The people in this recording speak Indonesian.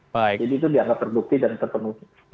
jadi itu dianggap terbukti dan terpenuhi